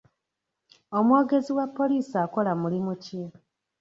Omwogezi wa poliisi akola mulimu ki?